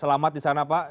selamat di sana pak